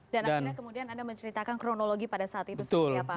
dan akhirnya kemudian anda menceritakan kronologi pada saat itu seperti apa